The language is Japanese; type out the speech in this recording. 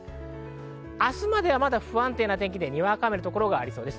明日まではまだ不安定で、にわか雨の所がありそうです。